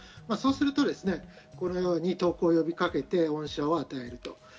そうすると、このように投降を呼びかけて恩赦を与える。